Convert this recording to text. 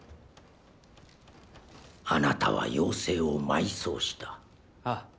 あなたは妖精を埋葬したああ∈